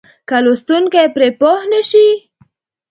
که لوستونکی پرې پوه نه شي.